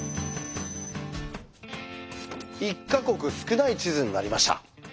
１か国少ない地図になりました。